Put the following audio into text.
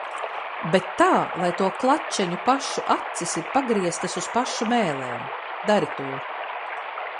Bet tā lai to klačeņu pašu acis ir pagrieztas uz pašu mēlēm. Dari to.